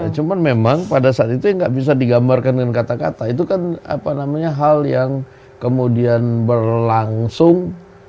cuma memang pada saat itu yang nggak bisa digambarkan dengan kata kata itu kan apa namanya hal yang kemudian berlangsung